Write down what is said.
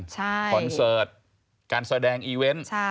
คอนเสิร์ตการแสดงอีเวนต์